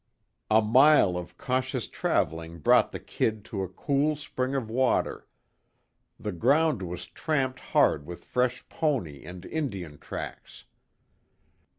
A mile of cautious traveling brought the "Kid" to a cool spring of water. The ground was tramped hard with fresh pony and Indian tracks.